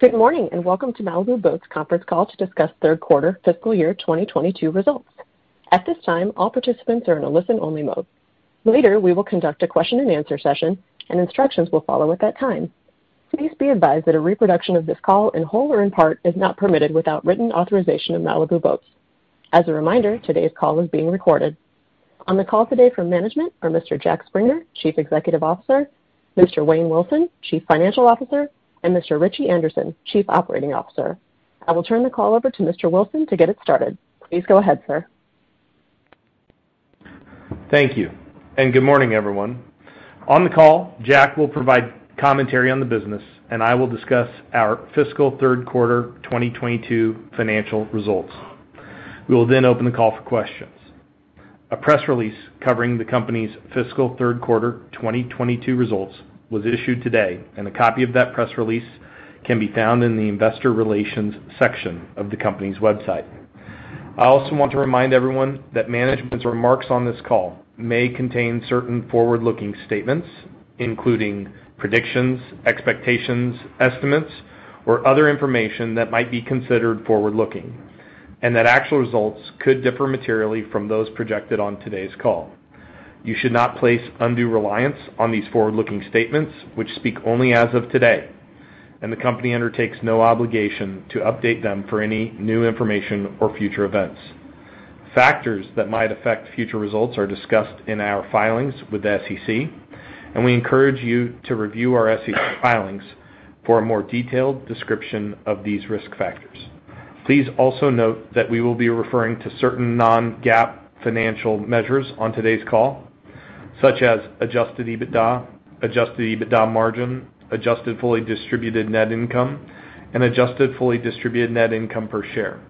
Good morning, and welcome to Malibu Boats Conference Call to discuss Q3 fiscal year 2022 results. At this time, all participants are in a listen-only mode. Later, we will conduct a question-and-answer session and instructions will follow at that time. Please be advised that a reproduction of this call in whole or in part is not permitted without written authorization of Malibu Boats. As a reminder, today's call is being recorded. On the call today from management are Mr. Jack Springer, Chief Executive Officer, Mr. Wayne Wilson, Chief Financial Officer, and Mr. Ritchie Anderson, Chief Operating Officer. I will turn the call over to Mr. Wilson to get it started. Please go ahead, sir. Thank you, and good morning, everyone. On the call, Jack will provide commentary on the business and I will discuss our fiscal Q3 2022 financial results. We will then open the call for questions. A press release covering the company's fiscal Q3 2022 results was issued today, and a copy of that press release can be found in the investor relations section of the company's website. I also want to remind everyone that management's remarks on this call may contain certain forward-looking statements, including predictions, expectations, estimates, or other information that might be considered forward-looking, and that actual results could differ materially from those projected on today's call. You should not place undue reliance on these forward-looking statements which speak only as of today, and the company undertakes no obligation to update them for any new information or future events. Factors that might affect future results are discussed in our filings with the SEC, and we encourage you to review our SEC filings for a more detailed description of these risk factors. Please also note that we will be referring to certain non-GAAP financial measures on today's call, such as adjusted EBITDA, adjusted EBITDA margin, adjusted fully distributed net income, and adjusted fully distributed net income per share.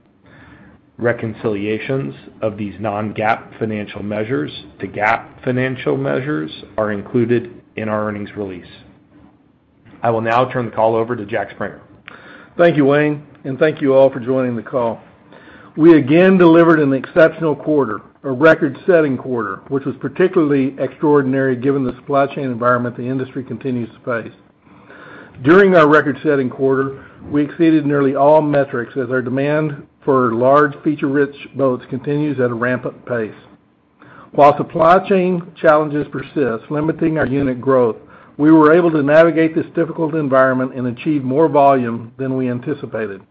Reconciliations of these non-GAAP financial measures to GAAP financial measures are included in our earnings release. I will now turn the call over to Jack Springer. Thank you, Wayne, and thank you all for joining the call. We again delivered an exceptional quarter, a record-setting quarter, which was particularly extraordinary given the supply chain environment the industry continues to face. During our record-setting quarter, we exceeded nearly all metrics as our demand for large feature-rich boats continues at a rampant pace. While supply chain challenges persist, limiting our unit growth, we were able to navigate this difficult environment and achieve more volume than we anticipated.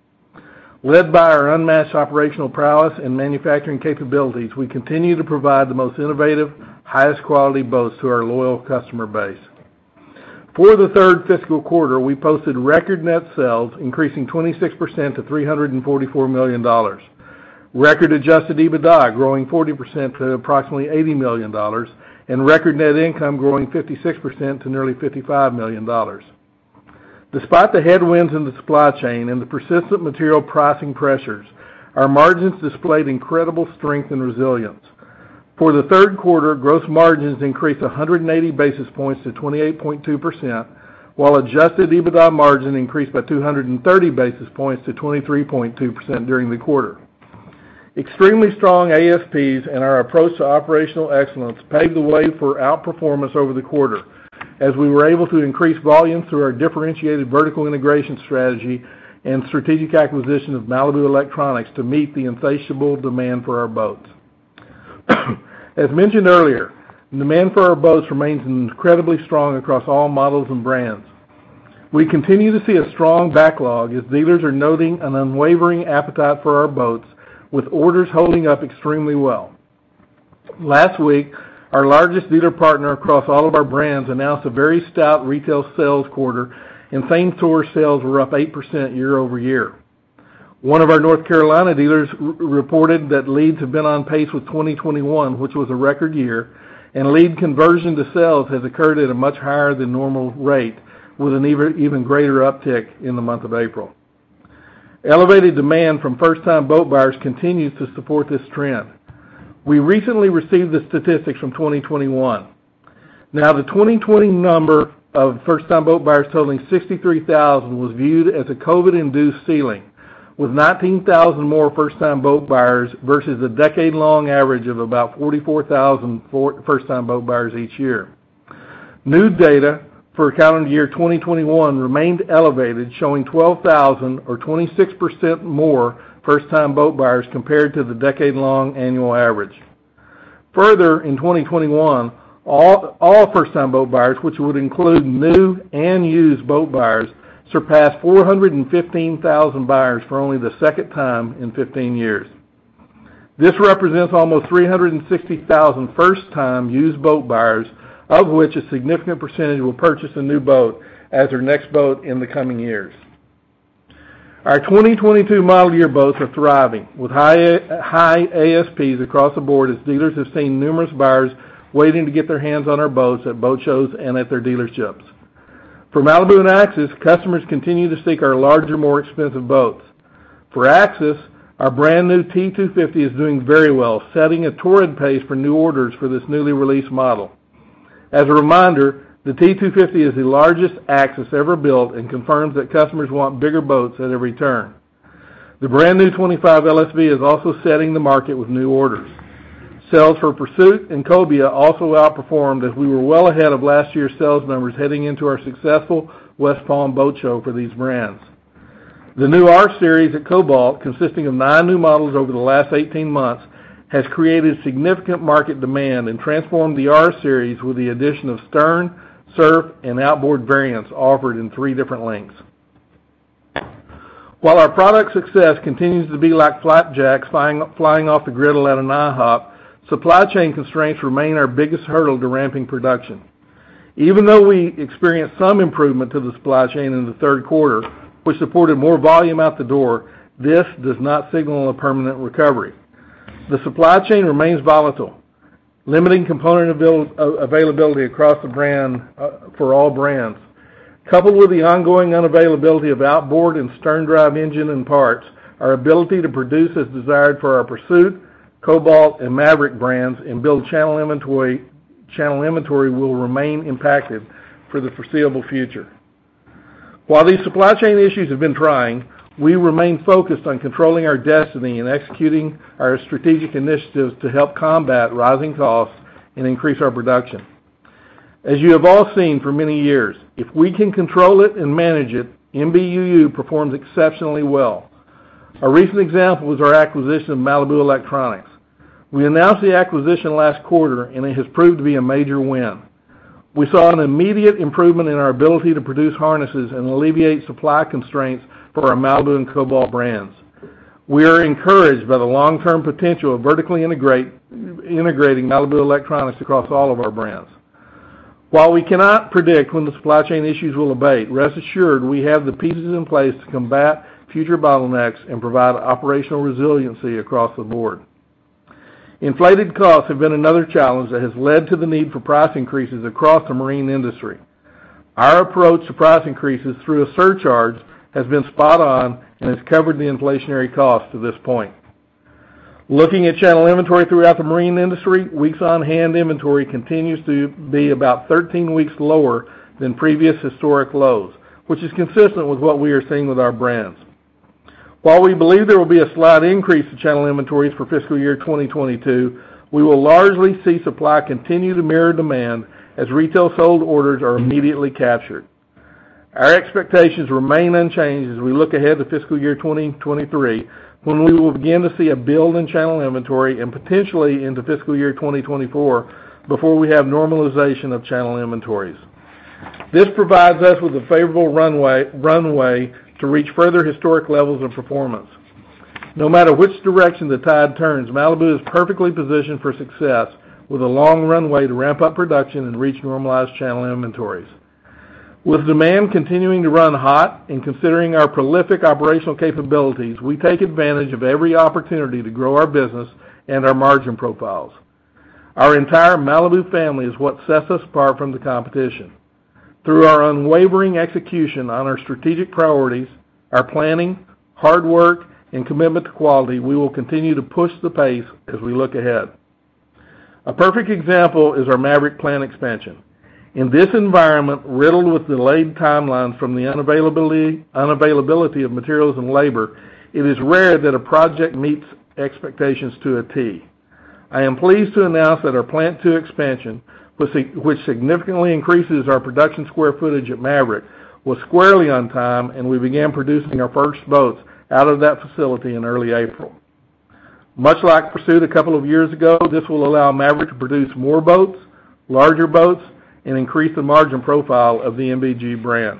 Led by our unmatched operational prowess and manufacturing capabilities, we continue to provide the most innovative, highest quality boats to our loyal customer base. For the third fiscal quarter, we posted record net sales increasing 26% to $344 million, record adjusted EBITDA growing 40% to approximately $80 million, and record net income growing 56% to nearly $55 million. Despite the headwinds in the supply chain and the persistent material pricing pressures, our margins displayed incredible strength and resilience. For the Q3, gross margins increased 100 basis points to 28.2%, while adjusted EBITDA margin increased by 230 basis points to 23.2% during the quarter. Extremely strong ASPs and our approach to operational excellence paved the way for outperformance over the quarter as we were able to increase volume through our differentiated vertical integration strategy and strategic acquisition of Malibu Electronics to meet the insatiable demand for our boats. As mentioned earlier, demand for our boats remains incredibly strong across all models and brands. We continue to see a strong backlog as dealers are noting an unwavering appetite for our boats, with orders holding up extremely well. Last week, our largest dealer partner across all of our brands announced a very stout retail sales quarter and same-store sales were up 8% year-over-year. One of our North Carolina dealers reported that leads have been on pace with 2021, which was a record year, and lead conversion to sales has occurred at a much higher than normal rate, with an even greater uptick in the month of April. Elevated demand from first-time boat buyers continues to support this trend. We recently received the statistics from 2021. Now, the 2020 number of first-time boat buyers totaling 63,000 was viewed as a COVID-induced ceiling, with 19,000 more first-time boat buyers versus a decade-long average of about 44,000 for first-time boat buyers each year. New data for calendar year 2021 remained elevated, showing 12,000 or 26% more first-time boat buyers compared to the decade-long annual average. Further, in 2021, all first-time boat buyers, which would include new and used boat buyers, surpassed 415,000 buyers for only the second time in 15 years. This represents almost 360,000 first-time used boat buyers, of which a significant percentage will purchase a new boat as their next boat in the coming years. Our 2022 model year boats are thriving with high ASPs across the board as dealers have seen numerous buyers waiting to get their hands on our boats at boat shows and at their dealerships. For Malibu and Axis, customers continue to seek our larger, more expensive boats. For Axis, our brand new T-250 is doing very well, setting a torrid pace for new orders for this newly released model. As a reminder, the T-250 is the largest Axis ever built and confirms that customers want bigger boats at every turn. The brand new 25 LSV is also setting the market with new orders. Sales for Pursuit and Cobia also outperformed as we were well ahead of last year's sales numbers heading into our successful West Palm Boat Show for these brands. The new R Series at Cobalt, consisting of nine new models over the last 18 months, has created significant market demand and transformed the R Series with the addition of sterndrive, surf, and outboard variants offered in three different lengths. While our product success continues to be like flapjacks flying off the griddle at an IHOP, supply chain constraints remain our biggest hurdle to ramping production. Even though we experienced some improvement to the supply chain in the Q3, which supported more volume out the door, this does not signal a permanent recovery. The supply chain remains volatile, limiting component availability across the brand, for all brands. Coupled with the ongoing unavailability of outboard and sterndrive engines and parts, our ability to produce as desired for our Pursuit, Cobalt, and Maverick brands and build channel inventory will remain impacted for the foreseeable future. While these supply chain issues have been trying, we remain focused on controlling our destiny and executing our strategic initiatives to help combat rising costs and increase our production. As you have all seen for many years, if we can control it and manage it, MBUU performs exceptionally well. A recent example is our acquisition of Malibu Electronics. We announced the acquisition last quarter, and it has proved to be a major win. We saw an immediate improvement in our ability to produce harnesses and alleviate supply constraints for our Malibu and Cobalt brands. We are encouraged by the long-term potential of vertically integrating Malibu Electronics across all of our brands. While we cannot predict when the supply chain issues will abate, rest assured we have the pieces in place to combat future bottlenecks and provide operational resiliency across the board. Inflated costs have been another challenge that has led to the need for price increases across the marine industry. Our approach to price increases through a surcharge has been spot on and has covered the inflationary cost to this point. Looking at channel inventory throughout the marine industry, weeks on hand inventory continues to be about 13 weeks lower than previous historic lows, which is consistent with what we are seeing with our brands. While we believe there will be a slight increase in channel inventories for fiscal year 2022, we will largely see supply continue to mirror demand as retail sold orders are immediately captured. Our expectations remain unchanged as we look ahead to fiscal year 2023, when we will begin to see a build in channel inventory and potentially into fiscal year 2024 before we have normalization of channel inventories. This provides us with a favorable runway to reach further historic levels of performance. No matter which direction the tide turns, Malibu is perfectly positioned for success with a long runway to ramp up production and reach normalized channel inventories. With demand continuing to run hot and considering our prolific operational capabilities, we take advantage of every opportunity to grow our business and our margin profiles. Our entire Malibu family is what sets us apart from the competition. Through our unwavering execution on our strategic priorities, our planning, hard work, and commitment to quality, we will continue to push the pace as we look ahead. A perfect example is our Maverick plan expansion. In this environment, riddled with delayed timelines from the unavailability of materials and labor, it is rare that a project meets expectations to a T. I am pleased to announce that our Plant Two expansion, which significantly increases our production square footage at Maverick, was squarely on time, and we began producing our first boats out of that facility in early April. Much like Pursuit a couple of years ago, this will allow Maverick to produce more boats, larger boats, and increase the margin profile of the MBG brand.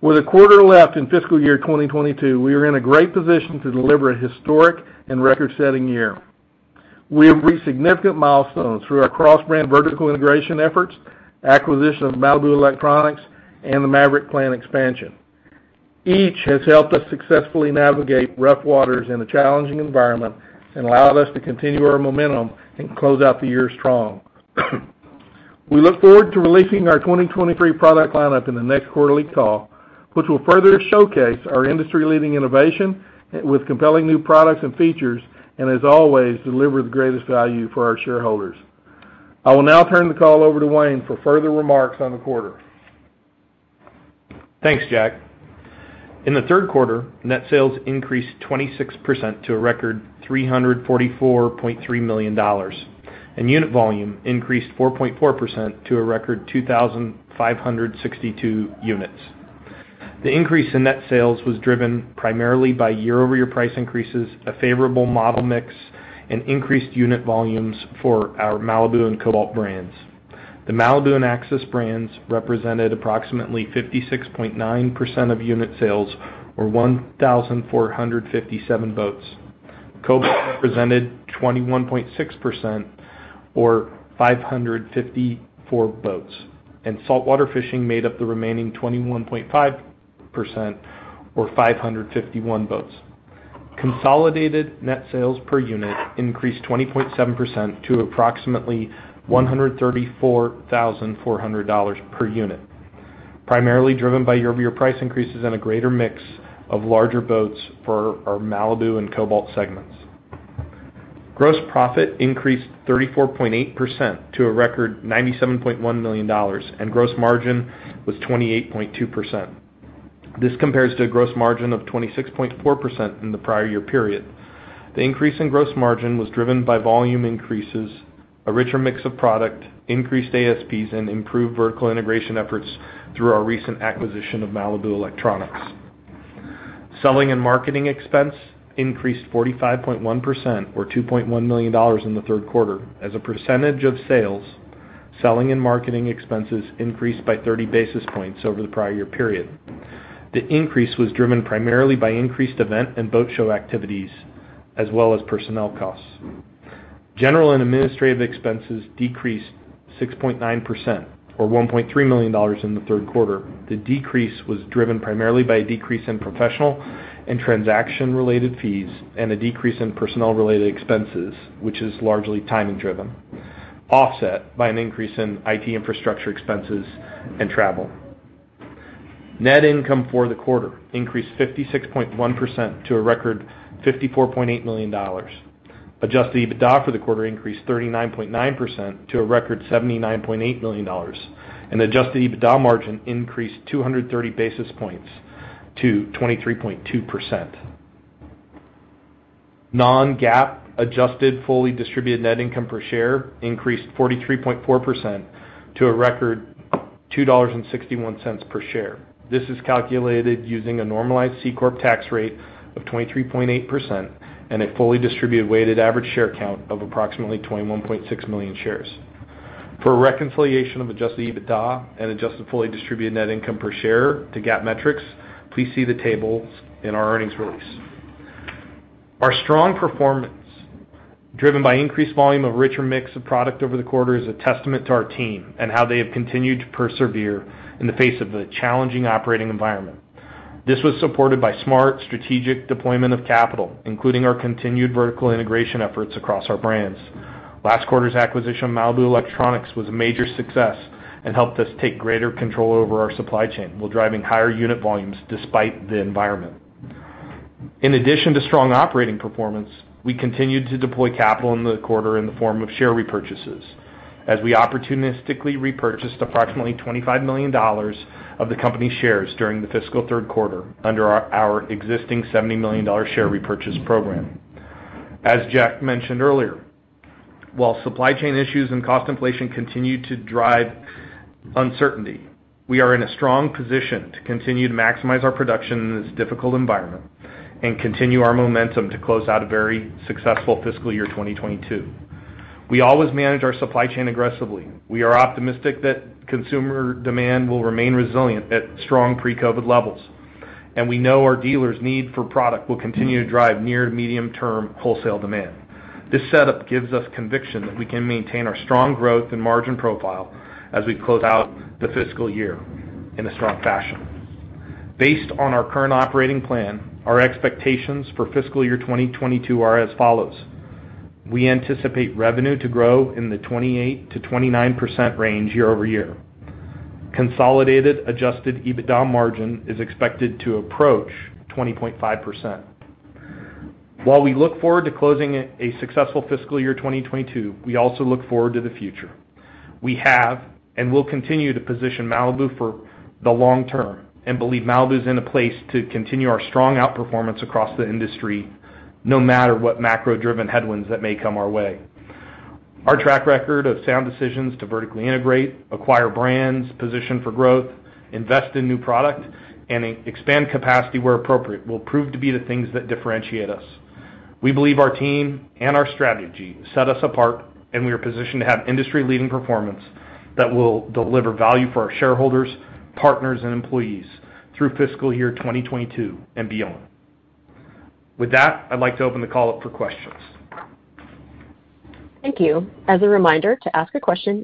With a quarter left in fiscal year 2022, we are in a great position to deliver a historic and record-setting year. We have reached significant milestones through our cross-brand vertical integration efforts, acquisition of Malibu Electronics, and the Maverick plant expansion. Each has helped us successfully navigate rough waters in a challenging environment and allowed us to continue our momentum and close out the year strong. We look forward to releasing our 2023 product lineup in the next quarterly call, which will further showcase our industry-leading innovation with compelling new products and features, and as always, deliver the greatest value for our shareholders. I will now turn the call over to Wayne for further remarks on the quarter. Thanks, Jack. In the Q3, net sales increased 26% to a record $344.3 million, and unit volume increased 4.4% to a record 2,562 units. The increase in net sales was driven primarily by year-over-year price increases, a favorable model mix, and increased unit volumes for our Malibu and Cobalt brands. The Malibu and Axis brands represented approximately 56.9% of unit sales, or 1,457 boats. Cobalt represented 21.6%, or 554 boats, and saltwater fishing made up the remaining 21.5%, or 551 boats. Consolidated net sales per unit increased 20.7% to approximately $134,400 per unit, primarily driven by year-over-year price increases and a greater mix of larger boats for our Malibu and Cobalt segments. Gross profit increased 34.8% to a record $97.1 million, and gross margin was 28.2%. This compares to a gross margin of 26.4% in the prior year period. The increase in gross margin was driven by volume increases, a richer mix of product, increased ASPs, and improved vertical integration efforts through our recent acquisition of Malibu Electronics. Selling and marketing expense increased 45.1% or $2.1 million in the Q3. As a percentage of sales, selling and marketing expenses increased by 30 basis points over the prior year period. The increase was driven primarily by increased event and boat show activities as well as personnel costs. General and administrative expenses decreased 6.9% or $1.3 million in the Q3. The decrease was driven primarily by a decrease in professional and transaction-related fees and a decrease in personnel-related expenses, which is largely timing driven, offset by an increase in IT infrastructure expenses and travel. Net income for the quarter increased 56.1% to a record $54.8 million. Adjusted EBITDA for the quarter increased 39.9% to a record $79.8 million, and adjusted EBITDA margin increased 230 basis points to 23.2%. Non-GAAP adjusted fully distributed net income per share increased 43.4% to a record $2.61 per share. This is calculated using a normalized C Corp tax rate of 23.8% and a fully distributed weighted average share count of approximately 21.6 million shares. For a reconciliation of adjusted EBITDA and adjusted fully distributed net income per share to GAAP metrics, please see the tables in our earnings release. Our strong performance, driven by increased volume of richer mix of product over the quarter, is a testament to our team and how they have continued to persevere in the face of a challenging operating environment. This was supported by smart strategic deployment of capital, including our continued vertical integration efforts across our brands. Last quarter's acquisition of Malibu Electronics was a major success and helped us take greater control over our supply chain while driving higher unit volumes despite the environment. In addition to strong operating performance, we continued to deploy capital in the quarter in the form of share repurchases as we opportunistically repurchased approximately $25 million of the company shares during the fiscal Q3 under our existing $70 million share repurchase program. As Jack mentioned earlier, while supply chain issues and cost inflation continue to drive uncertainty, we are in a strong position to continue to maximize our production in this difficult environment and continue our momentum to close out a very successful fiscal year 2022. We always manage our supply chain aggressively. We are optimistic that consumer demand will remain resilient at strong pre-COVID levels, and we know our dealers' need for product will continue to drive near to medium-term wholesale demand. This setup gives us conviction that we can maintain our strong growth and margin profile as we close out the fiscal year in a strong fashion. Based on our current operating plan, our expectations for fiscal year 2022 are as follows. We anticipate revenue to grow in the 28%-29% range year-over-year. Consolidated adjusted EBITDA margin is expected to approach 20.5%. While we look forward to closing a successful fiscal year 2022, we also look forward to the future. We have and will continue to position Malibu for the long term and believe Malibu is in a place to continue our strong outperformance across the industry, no matter what macro-driven headwinds that may come our way. Our track record of sound decisions to vertically integrate, acquire brands, position for growth, invest in new product, and expand capacity where appropriate, will prove to be the things that differentiate us. We believe our team and our strategy set us apart, and we are positioned to have industry-leading performance that will deliver value for our shareholders, partners, and employees through fiscal year 2022 and beyond. With that, I'd like to open the call up for questions. Thank you. Our 1st question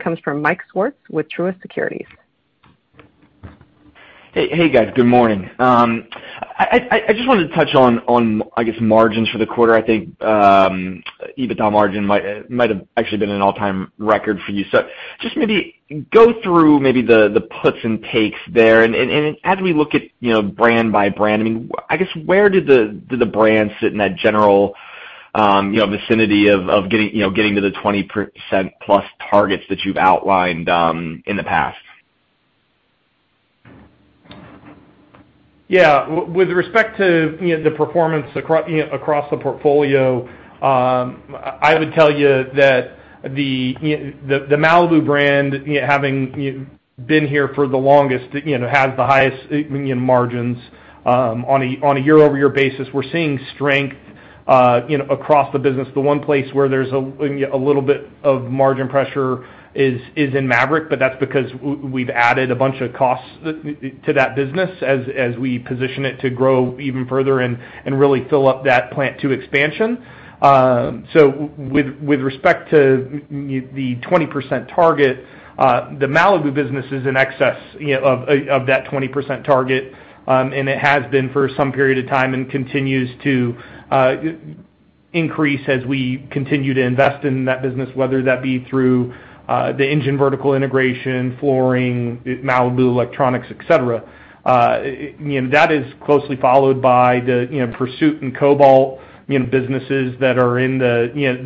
comes from Michael Swartz with Truist Securities. Hey guys, good morning. I just wanted to touch on, I guess, margins for the quarter. I think EBITDA margin might have actually been an all-time record for you. So just maybe go through maybe the puts and takes there. As we look at, you know, brand by brand, I mean, I guess, where did the brand sit in that general, you know, vicinity of getting, you know, getting to the 20% plus targets that you've outlined in the past? Yeah. With respect to, you know, the performance across the portfolio, I would tell you that the, you know, the Malibu brand, you know, having been here for the longest, you know, has the highest, you know, margins on a year-over-year basis. We're seeing strength, you know, across the business. The one place where there's a little bit of margin pressure is in Maverick, but that's because we've added a bunch of costs to that business as we position it to grow even further and really fill up that plant two expansion. With respect to, you know, the 20% target, the Malibu business is in excess, you know, of that 20% target, and it has been for some period of time and continues to increase as we continue to invest in that business, whether that be through the engine vertical integration, flooring, Malibu Electronics, etc. You know, that is closely followed by the, you know, Pursuit and Cobalt, you know, businesses that are in the, you know,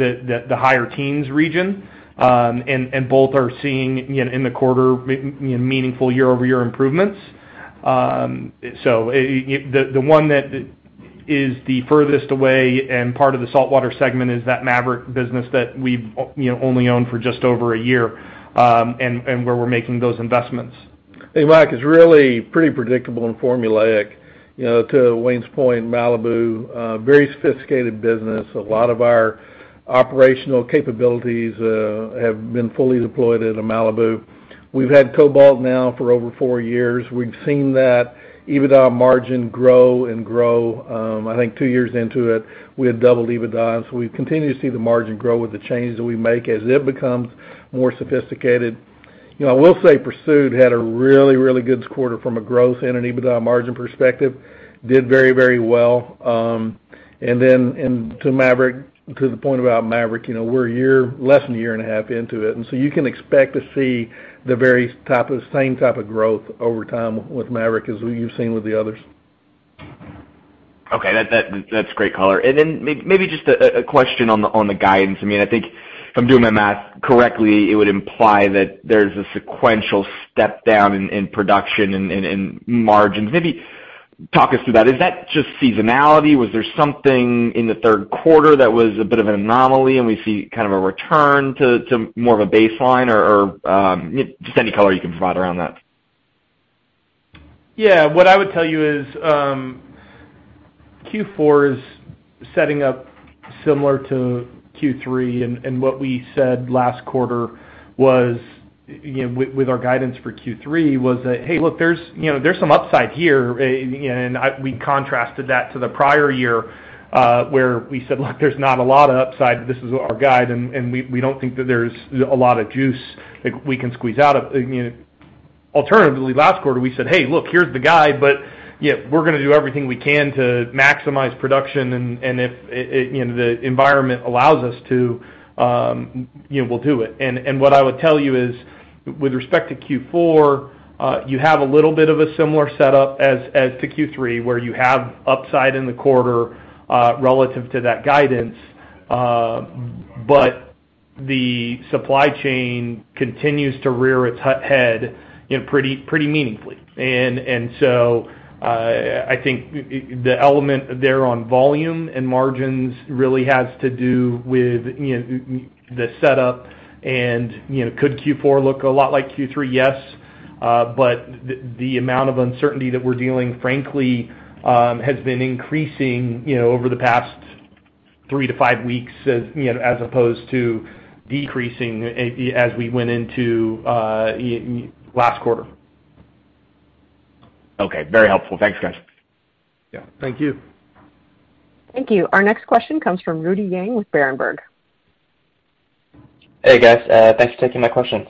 the higher teens region, and both are seeing, you know, in the quarter meaningful year-over-year improvements. The one that is the furthest away and part of the saltwater segment is that Maverick business that we've, you know, only owned for just over a year, and where we're making those investments. Hey, Mike, it's really pretty predictable and formulaic. You know, to Wayne's point, Malibu very sophisticated business. A lot of our operational capabilities have been fully deployed into Malibu. We've had Cobalt now for over four years. We've seen that EBITDA margin grow and grow. I think two years into it, we had doubled EBITDA. We continue to see the margin grow with the changes that we make as it becomes more sophisticated. You know, I will say Pursuit had a really, really good quarter from a growth and an EBITDA margin perspective. Did very, very well. To Maverick, to the point about Maverick, you know, we're less than a year and a half into it. You can expect to see the same type of growth over time with Maverick as what you've seen with the others. Okay. That's great color. Maybe just a question on the guidance. I mean, I think if I'm doing my math correctly, it would imply that there's a sequential step down in production and margins. Maybe talk us through that. Is that just seasonality? Was there something in the Q3 that was a bit of an anomaly and we see kind of a return to more of a baseline or just any color you can provide around that? Yeah. What I would tell you is, Q4 is setting up similar to Q3. What we said last quarter was, you know, with our guidance for Q3 was that, Hey, look, there's, you know, there's some upside here. You know, we contrasted that to the prior year, where we said, Look, there's not a lot of upside. This is our guide, and we don't think that there's a lot of juice like we can squeeze out of it. You know, alternatively, last quarter we said, Hey, look, here's the guide, but you know, we're gonna do everything we can to maximize production, and if the environment allows us to, you know, we'll do it. What I would tell you is, with respect to Q4, you have a little bit of a similar setup as to Q3, where you have upside in the quarter relative to that guidance. The supply chain continues to rear its head, you know, pretty meaningfully. I think the element there on volume and margins really has to do with, you know, the setup and, you know, could Q4 look a lot like Q3? Yes. The amount of uncertainty that we're dealing, frankly, has been increasing, you know, over the past 3-5 weeks as, you know, as opposed to decreasing as we went into, you know, last quarter. Okay. Very helpful. Thanks, guys. Yeah. Thank you. Thank you. Our next question comes from Rudy Yang with Berenberg. Hey, guys. Thanks for taking my questions.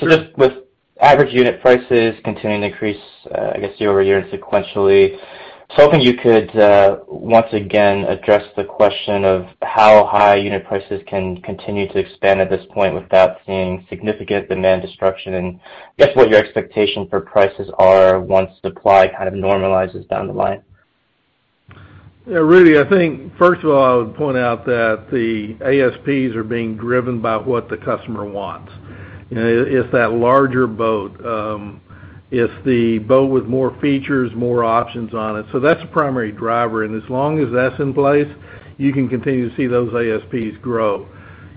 Just with average unit prices continuing to increase, I guess year over year and sequentially, I was hoping you could once again address the question of how high unit prices can continue to expand at this point without seeing significant demand destruction, and guess what your expectations for prices are once supply kind of normalizes down the line? Yeah, Rudy, I think first of all, I would point out that the ASPs are being driven by what the customer wants. You know, it's that larger boat, it's the boat with more features, more options on it. So that's the primary driver, and as long as that's in place, you can continue to see those ASPs grow.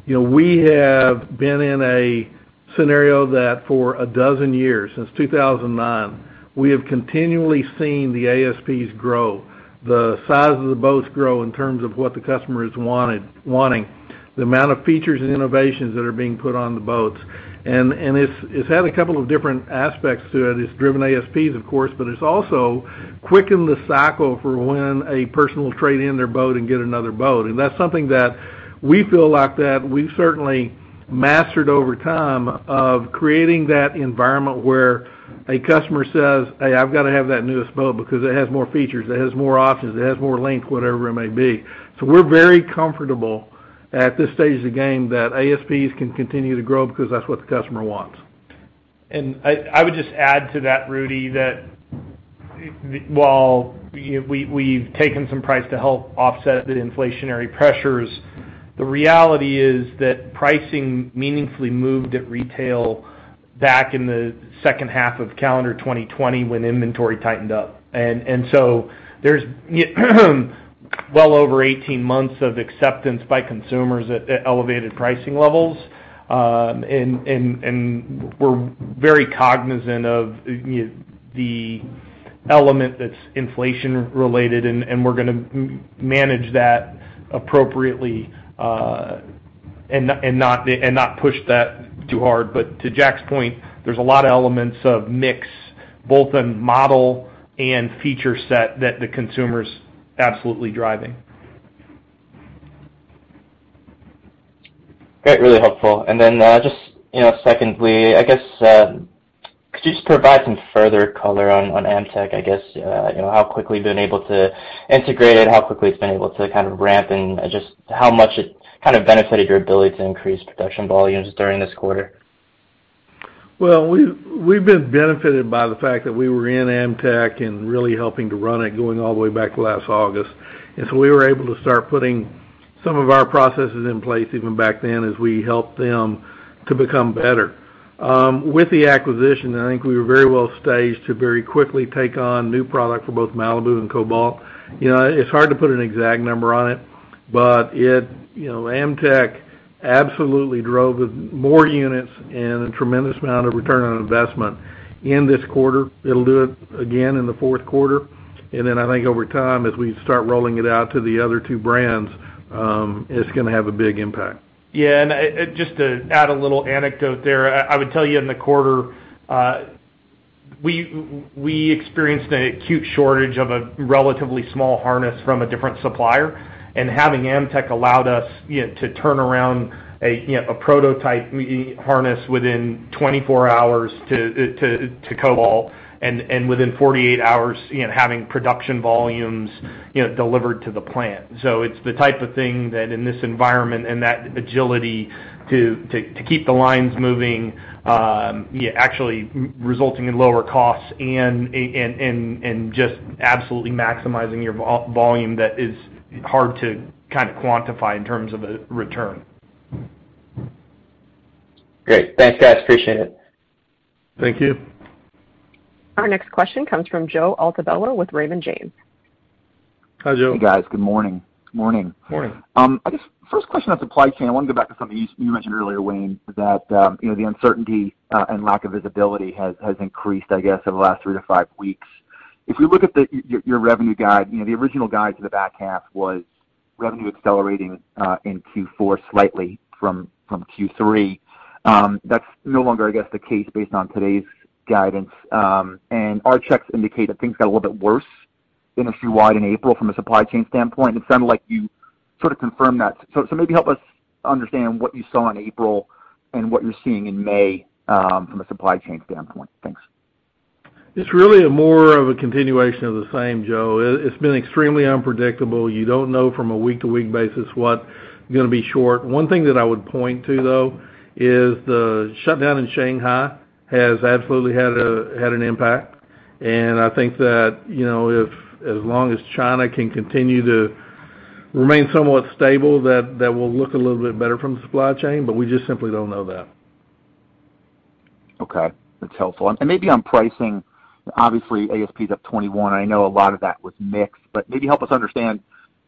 You know, we have been in a scenario that for a dozen years, since 2009, we have continually seen the ASPs grow, the size of the boats grow in terms of what the customer is wanting, the amount of features and innovations that are being put on the boats. It's had a couple of different aspects to it. It's driven ASPs, of course, but it's also quickened the cycle for when a person will trade in their boat and get another boat. That's something that we feel like that we've certainly mastered over time of creating that environment where a customer says, "Hey, I've got to have that newest boat because it has more features, it has more options, it has more length," whatever it may be. We're very comfortable at this stage of the game that ASPs can continue to grow because that's what the customer wants. I would just add to that, Rudy, that while, you know, we've taken some pricing to help offset the inflationary pressures, the reality is that pricing meaningfully moved at retail back in the second half of calendar 2020 when inventory tightened up. There's, you know, well over 18 months of acceptance by consumers at elevated pricing levels. We're very cognizant of, you know, the element that's inflation-related, and we're gonna manage that appropriately, and not push that too hard. To Jack's point, there's a lot of elements of mix, both in model and feature set that the consumer's absolutely driving. Great, really helpful. Then, just, you know, secondly, I guess, could you just provide some further color on AmTech, I guess, you know, how quickly you've been able to integrate it, how quickly it's been able to kind of ramp, and just how much it kind of benefited your ability to increase production volumes during this quarter? Well, we've been benefited by the fact that we were in AmTech and really helping to run it going all the way back last August. We were able to start putting some of our processes in place even back then as we helped them to become better. With the acquisition, I think we were very well staged to very quickly take on new product for both Malibu and Cobalt. You know, it's hard to put an exact number on it, but it, you know, AmTech absolutely drove more units and a tremendous amount of return on investment in this quarter. It'll do it again in the fourth quarter. I think over time, as we start rolling it out to the other two brands, it's gonna have a big impact. Yeah. Just to add a little anecdote there, I would tell you in the quarter, we experienced an acute shortage of a relatively small harness from a different supplier. Having AmTech allowed us, you know, to turn around a, you know, a prototype harness within 24 hours to Cobalt, and within 48 hours, you know, having production volumes, you know, delivered to the plant. It's the type of thing that in this environment and that agility to keep the lines moving, actually resulting in lower costs and just absolutely maximizing your volume that is hard to kind of quantify in terms of a return. Great. Thanks, guys. Appreciate it. Thank you. Our next question comes from Joe Altobello with Raymond James. Hi, Joe. Hey, guys. Good morning. Morning. Morning. I guess first question on supply chain, I want to go back to something you mentioned earlier, Wayne, that, you know, the uncertainty and lack of visibility has increased, I guess, over the last three to five weeks. If we look at your revenue guide, you know, the original guide to the back half was revenue accelerating in Q4 slightly from Q3. That's no longer, I guess, the case based on today's guidance. Our checks indicate that things got a little bit worse industry-wide in April from a supply chain standpoint. It sounded like you sort of confirmed that. So maybe help us understand what you saw in April and what you're seeing in May from a supply chain standpoint. Thanks. It's really more of a continuation of the same, Joe. It's been extremely unpredictable. You don't know from a week-to-week basis what going to be short. One thing that I would point to, though, is the shutdown in Shanghai has absolutely had an impact. I think that, you know, if as long as China can continue to remain somewhat stable, that will look a little bit better from the supply chain, but we just simply don't know that. Okay. That's helpful. Maybe on pricing, obviously, ASP is up 21%. I know a lot of that was mixed, but maybe help us understand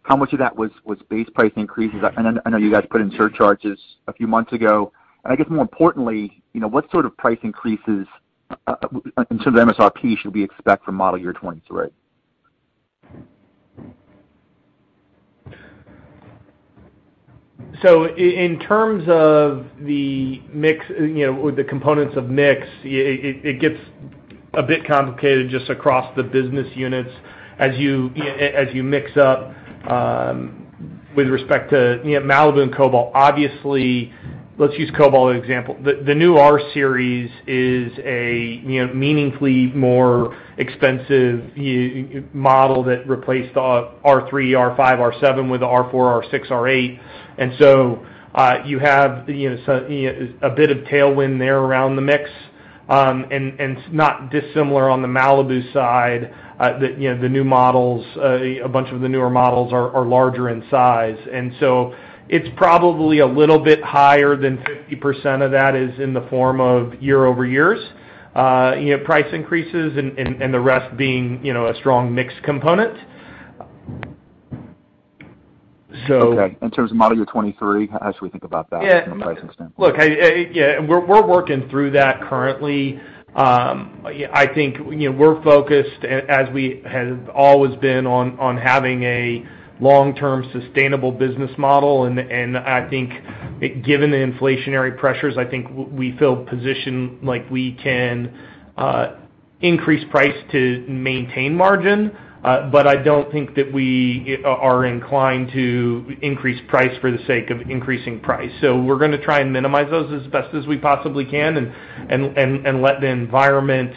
how much of that was base price increases. I know you guys put in surcharges a few months ago. I guess more importantly, you know, what sort of price increases in terms of MSRP should we expect for model year 2023? In terms of the mix, you know, the components of mix, it gets a bit complicated just across the business units as you mix up with respect to, you know, Malibu and Cobalt. Obviously, let's use Cobalt as an example. The new R Series is a, you know, meaningfully more expensive model that replaced R3, R5, R7 with R4, R6, R8. You have, you know, a bit of tailwind there around the mix. Not dissimilar on the Malibu side, the new models, a bunch of the newer models are larger in size. It's probably a little bit higher than 50% of that is in the form of year-over-year price increases and the rest being, you know, a strong mix component. Okay. In terms of model year 2023, how should we think about that from a price standpoint? Look, yeah, we're working through that currently. I think, you know, we're focused as we have always been on having a long-term sustainable business model. I think given the inflationary pressures, I think we feel positioned like we can increase price to maintain margin. I don't think that we are inclined to increase price for the sake of increasing price. We're gonna try and minimize those as best as we possibly can and let the environment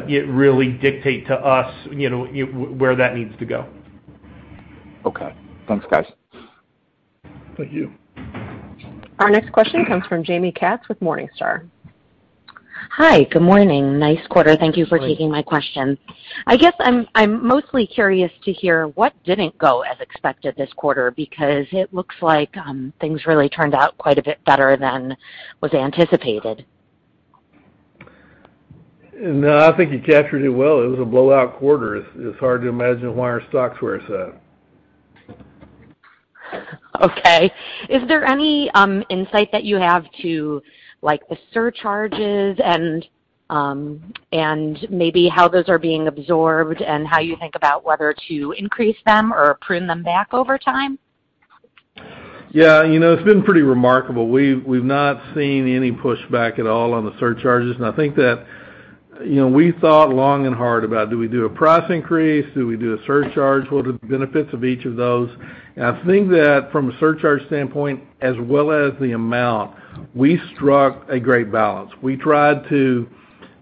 really dictate to us, you know, where that needs to go. Okay. Thanks, guys. Thank you. Our next question comes from Jaime Katz with Morningstar. Hi. Good morning. Nice quarter. Thank you for taking my question. I guess I'm mostly curious to hear what didn't go as expected this quarter because it looks like, things really turned out quite a bit better than was anticipated. No, I think you captured it well. It was a blowout quarter. It's hard to imagine why our stocks were upset. Okay. Is there any insight that you have to like the surcharges and maybe how those are being absorbed and how you think about whether to increase them or prune them back over time? Yeah, you know, it's been pretty remarkable. We've not seen any pushback at all on the surcharges. I think that. You know, we thought long and hard about do we do a price increase? Do we do a surcharge? What are the benefits of each of those? I think that from a surcharge standpoint as well as the amount, we struck a great balance. We tried to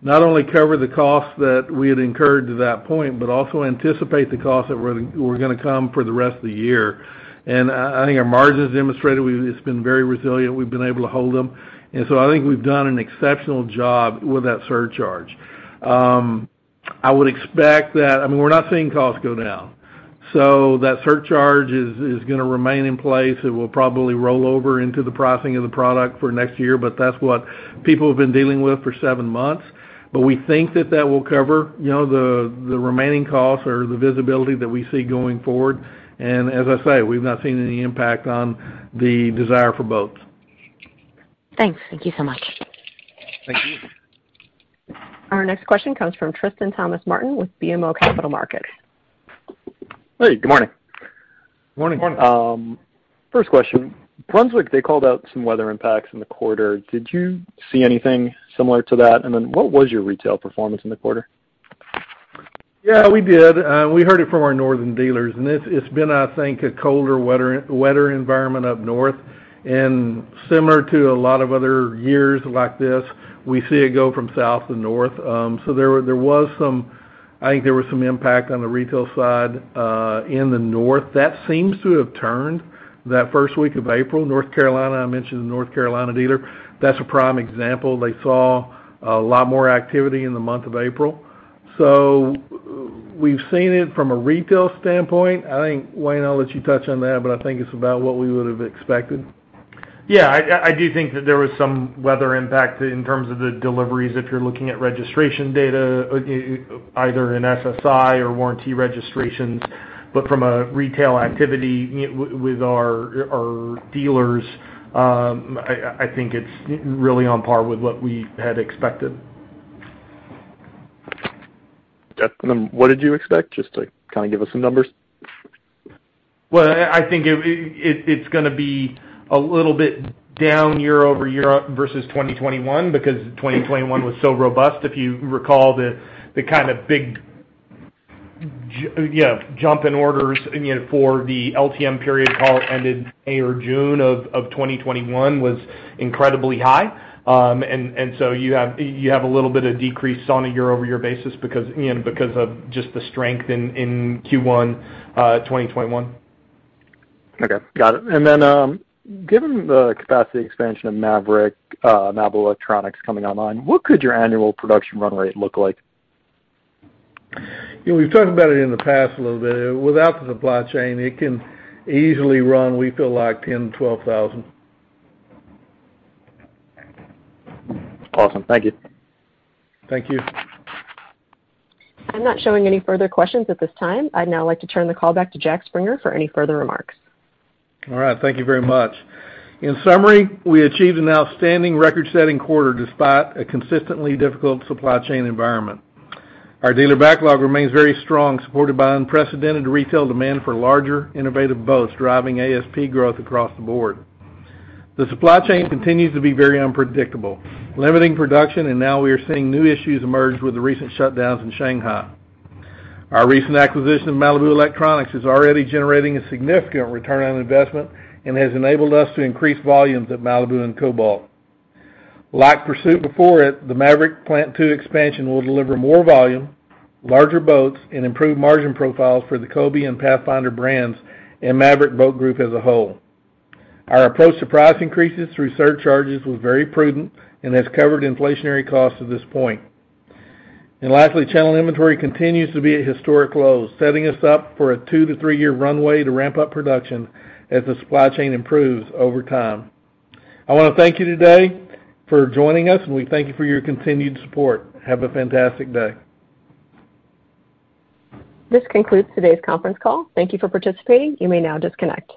not only cover the costs that we had incurred to that point, but also anticipate the costs that were gonna come for the rest of the year. I think our margins demonstrated it's been very resilient. We've been able to hold them. I think we've done an exceptional job with that surcharge. I would expect that. I mean, we're not seeing costs go down, so that surcharge is gonna remain in place. It will probably roll over into the pricing of the product for next year, but that's what people have been dealing with for seven months. We think that will cover, you know, the remaining costs or the visibility that we see going forward. As I say, we've not seen any impact on the desire for boats. Thanks. Thank you so much. Thank you. Our next question comes from Tristan Thomas-Martin with BMO Capital Markets. Hey, good morning. Morning. Morning. First question. Brunswick, they called out some weather impacts in the quarter. Did you see anything similar to that? Then what was your retail performance in the quarter? Yeah, we did. We heard it from our northern dealers, and it's been, I think, a colder, wetter environment up north. Similar to a lot of other years like this, we see it go from south to north. There was some impact on the retail side in the north. That seems to have turned that first week of April. North Carolina. I mentioned North Carolina dealer, that's a prime example. They saw a lot more activity in the month of April. We've seen it from a retail standpoint. I think, Wayne, I'll let you touch on that, but I think it's about what we would have expected. Yeah, I do think that there was some weather impact in terms of the deliveries if you're looking at registration data, either in SSI or warranty registrations. From a retail activity with our dealers, I think it's really on par with what we had expected. Got it. What did you expect? Just to kinda give us some numbers. Well, I think it's gonna be a little bit down year-over-year versus 2021 because 2021 was so robust. If you recall the kind of big jump in orders, you know, for the LTM period call ended May or June of 2021 was incredibly high. You have a little bit of decrease on a year-over-year basis because, you know, because of just the strength in Q1 2021. Okay, got it. Given the capacity expansion of Maverick, Malibu Electronics coming online, what could your annual production run rate look like? Yeah, we've talked about it in the past a little bit. Without the supply chain, it can easily run, we feel like 10-12 thousand. Awesome. Thank you. Thank you. I'm not showing any further questions at this time. I'd now like to turn the call back to Jack Springer for any further remarks. All right, thank you very much. In summary, we achieved an outstanding record-setting quarter despite a consistently difficult supply chain environment. Our dealer backlog remains very strong, supported by unprecedented retail demand for larger, innovative boats, driving ASP growth across the board. The supply chain continues to be very unpredictable, limiting production, and now we are seeing new issues emerge with the recent shutdowns in Shanghai. Our recent acquisition of Malibu Electronics is already generating a significant return on investment and has enabled us to increase volumes at Malibu and Cobalt. Like Pursuit before it, the Maverick Plant Two expansion will deliver more volume, larger boats, and improved margin profiles for the Cobia and Pathfinder brands and Maverick Boat Group as a whole. Our approach to price increases through surcharges was very prudent and has covered inflationary costs at this point. Lastly, channel inventory continues to be at historic lows, setting us up for a two to three year runway to ramp up production as the supply chain improves over time. I wanna thank you today for joining us, and we thank you for your continued support. Have a fantastic day. This concludes today's conference call. Thank you for participating. You may now disconnect.